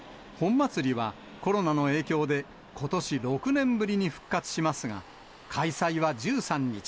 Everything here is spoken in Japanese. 本祭りはコロナの影響で、ことし、６年ぶりに復活しますが、開催は１３日。